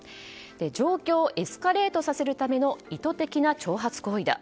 状況をエスカレートさせるための意図的な挑発行為だ。